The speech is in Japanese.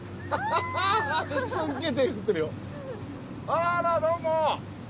あらどうも。